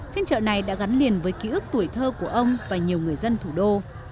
phiên chợ này đã gắn liền với ký ức tuổi thơ của ông và nhiều người dân thủ đô